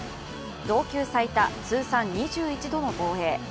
同級最多通算２１度の防衛。